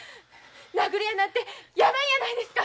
殴るやなんて野蛮やないですか！